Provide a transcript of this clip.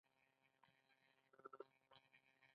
د ګرمو اوبو ماهیان کوم دي؟